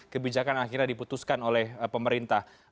kebijakan akhirnya diputuskan oleh pemerintah